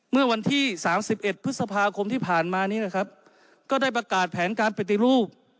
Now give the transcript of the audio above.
เมื่อวันที่๓๑พฤษภาคมที่ผ่านมานี้นะครับก็ได้ประกาศแผนการปฏิรูป